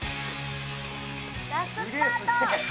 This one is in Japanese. ラストスパート！